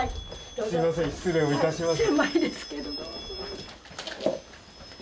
すいません失礼をいたします。